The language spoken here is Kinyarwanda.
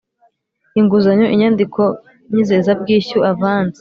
Inguzanyo inyandiko nyizezabwishyu avansi